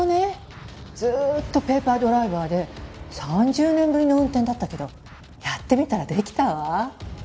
ずっとペーパードライバーで３０年ぶりの運転だったけどやってみたらできたわ。